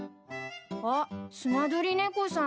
あっスナドリネコさん。